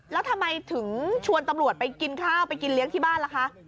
แล้วทำไมถึงชวนตำรวจไปกินข้าวไปกินเลี้ยงที่บ้านล่ะคะ